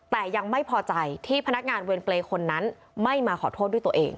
แต่ยังไม่พอใจที่พนักงานเวรเปรย์คนนั้นไม่มาขอโทษด้วยตัวเอง